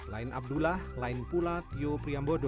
lain abdullah lain pula tio priyambodo